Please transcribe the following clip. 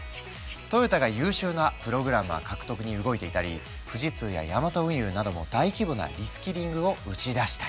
トヨタが優秀なプログラマー獲得に動いていたり富士通やヤマト運輸なども大規模なリスキリングを打ち出したり。